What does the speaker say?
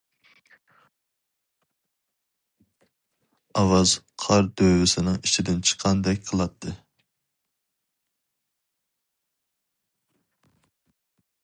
ئاۋاز قار دۆۋىسىنىڭ ئىچىدىن چىققاندەك قىلاتتى.